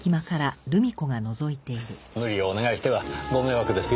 無理をお願いしてはご迷惑ですよ。